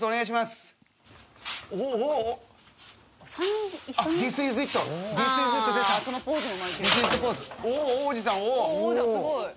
すごい。